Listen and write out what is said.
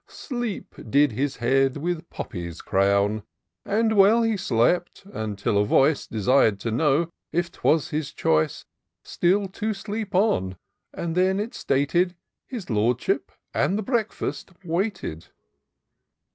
Sleep did his head with poppies crown ; And well he slept, until a voice Desir'd to know if 'twere his choice Still to sleep on? And then it stated — His Lordship and the break&st waited.